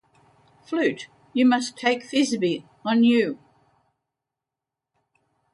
Flute, you must take Thisby on you.